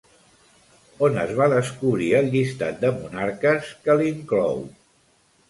On es va descobrir el llistat de monarques que l'inclou?